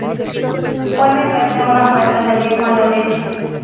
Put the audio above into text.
Puede verse una muestra del mismo a la derecha.